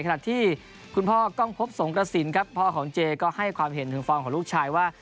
ขณะที่คุณพ่อกล้องพบสงกระสินครับพ่อของเจก็ให้ความเห็นถึงฟอร์มของลูกชายว่า